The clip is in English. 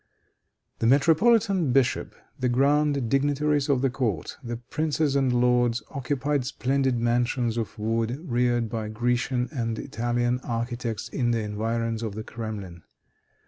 The metropolitan bishop, the grand dignitaries of the court, the princes and lords occupied splendid mansions of wood reared by Grecian and Italian architects in the environs of the Kremlin.